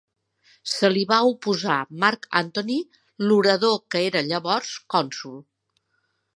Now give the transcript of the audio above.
Se li va oposar Marc Antoni l'orador que era llavors cònsol.